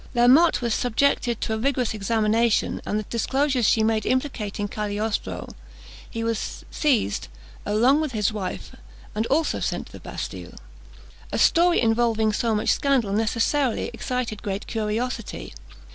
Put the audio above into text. La Motte was subjected to a rigorous examination, and the disclosures she made implicating Cagliostro, he was seized, along with his wife, and also sent to the Bastille. A story involving so much scandal necessarily excited great curiosity.